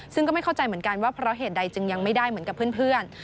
ซึ่งก็ไม่เข้าใจเหมือนกันว่าเพราะเหตุใดจึงยังไม่ได้เหมือนกับเพื่อน